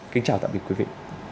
kính chào tạm biệt quý vị